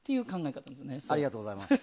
ありがとうございます。